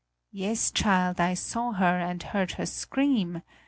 Yes, child, I saw her and heard her scream.